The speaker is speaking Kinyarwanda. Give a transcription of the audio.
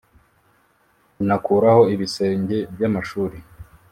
inakuraho ibisenge by’amashuri